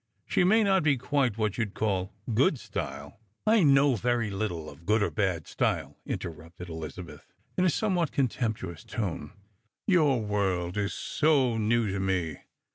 " She may not »e quite what you'd call good style "" I know very Uttle of good or bad style," interrupted Eliza* beth, in a somewhat contemptuous tone; "your world is so new to me.